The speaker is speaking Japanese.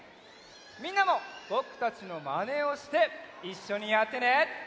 みんなもぼくたちのまねをしていっしょにやってね！